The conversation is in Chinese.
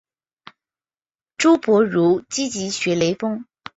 朱伯儒积极学雷锋。